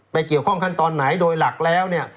เกี่ยวข้องขั้นตอนไหนโดยหลักแล้วเนี่ย